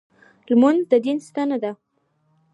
لمونځ د دین ستن ده.